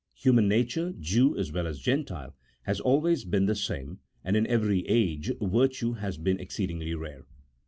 Human nature, Jew as well as Gentile, has always been the same, and in every age virtue has been exceedingly rare.